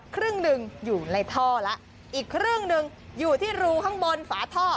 ครึ่งหนึ่งอยู่ในท่อแล้วอีกครึ่งหนึ่งอยู่ที่รูข้างบนฝาท่อ